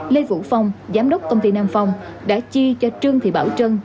lê vũ phong giám đốc công ty nam phong đã chi cho trương thị bảo trân